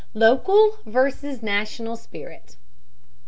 LOCAL VERSUS NATIONAL SPIRIT.